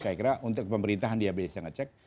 saya kira untuk pemerintahan dia bisa ngecek